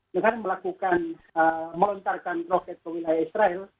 dengan melakukan melontarkan roket ke wilayah israel